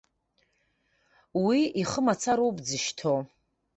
Уи ихы мацара ауп дзышьҭоу!